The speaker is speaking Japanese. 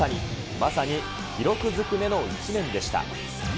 まさに記録ずくめの１年でした。